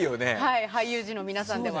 俳優陣の皆さんでは。